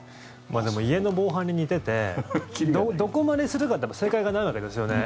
でも、家の防犯に似ててどこまでするかって正解がないわけですよね。